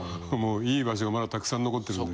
いい場所がまだたくさん残ってるんで。